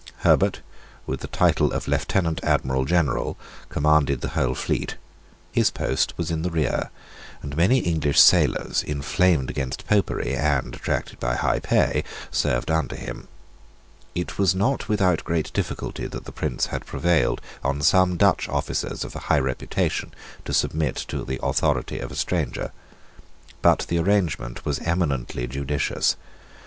Herbert, with the title of Lieutenant Admiral General, commanded the whole fleet. His post was in the rear, and many English sailors, inflamed against Popery, and attracted by high pay, served under him. It was not without great difficulty that the Prince had prevailed on some Dutch officers of high reputation to submit to the authority of a stranger. But the arrangement was eminently judicious.